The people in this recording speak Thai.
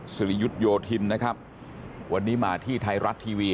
ริยุทธโยธินนะครับวันนี้มาที่ไทยรัฐทีวี